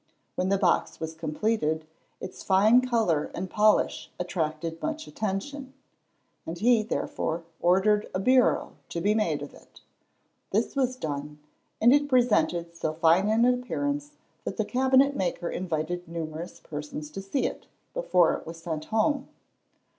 When the box was completed, its fine colour and polish attracted much attention; and he, therefore, ordered a bureau to be made of it. This was done, and it presented so fine an appearance that the cabinet maker invited numerous persons to see it, before it was sent home.